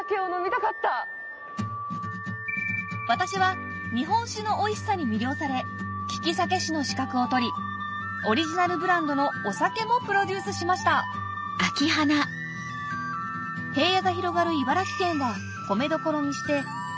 私は日本酒のおいしさに魅了され酒師の資格を取りオリジナルブランドのお酒もプロデュースしました平野が広がる